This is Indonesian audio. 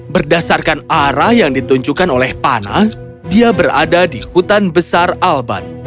berdasarkan arah yang ditunjukkan oleh pana dia berada di hutan besar alban